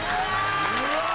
うわ。